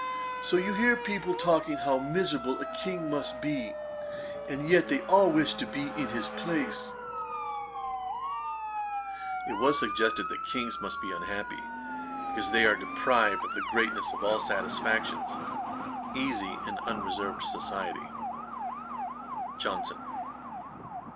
So you hear people talking how miserable a King must be; and yet they all wish to be in his place.' [Page 442: Great Kings always social. A.D. 1763.] It was suggested that Kings must be unhappy, because they are deprived of the greatest of all satisfactions, easy and unreserved society. JOHNSON.